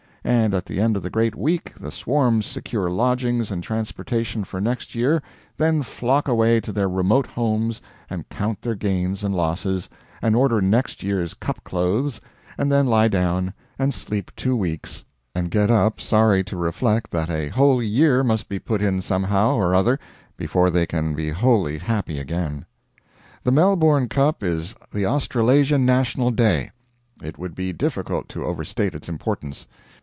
And at the end of the great week the swarms secure lodgings and transportation for next year, then flock away to their remote homes and count their gains and losses, and order next year's Cup clothes, and then lie down and sleep two weeks, and get up sorry to reflect that a whole year must be put in somehow or other before they can be wholly happy again. The Melbourne Cup is the Australasian National Day. It would be difficult to overstate its importance.